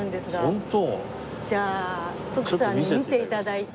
ホント？じゃあ徳さんに見て頂いて。